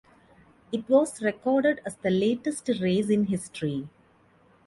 It was recorded as the latest race in history.